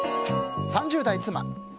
３０代、妻。